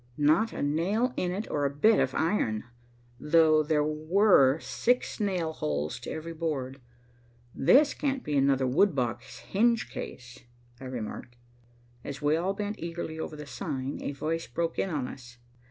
"Not a nail in it or a bit of iron, though there were six nail holes to every board. This can't be another wood box hinge case," I remarked. As we all bent eagerly over the sign, a voice broke in on us.